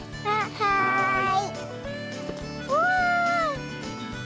はい。